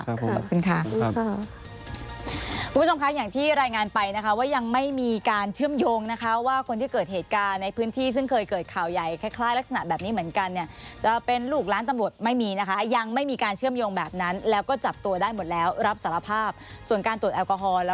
คุณผู้ชมคะอย่างที่รายงานไปนะคะว่ายังไม่มีการเชื่อมโยงนะคะว่าคนที่เกิดเหตุการณ์ในพื้นที่ซึ่งเคยเกิดข่าวใหญ่คล้ายลักษณะแบบนี้เหมือนกันเนี่ยจะเป็นลูกล้านตำรวจไม่มีนะคะยังไม่มีการเชื่อมโยงแบบนั้นแล้วก็จับตัวได้หมดแล้วรับสารภาพส่วนการตรวจแอลกอฮอล